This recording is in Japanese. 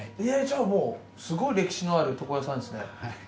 じゃもうすごい歴史のある床屋さんですね。